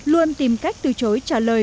luôn tìm cách từ chối trả lời